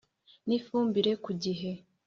N ifumbire ku gihe